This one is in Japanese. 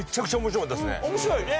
面白いね。